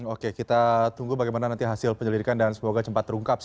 oke kita tunggu bagaimana nanti hasil penyelidikan dan semoga cepat terungkap